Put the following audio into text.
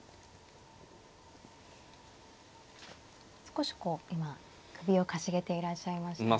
少しこう今首をかしげていらっしゃいましたね。